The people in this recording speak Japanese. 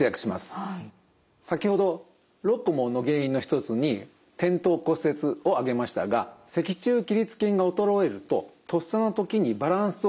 先ほどロコモの原因の一つに転倒骨折を挙げましたが脊柱起立筋が衰えるととっさの時にバランスをとりにくくなってしまいます。